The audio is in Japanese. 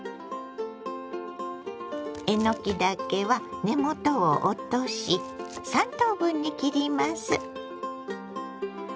えのきだけは根元を落とし３等分に切ります。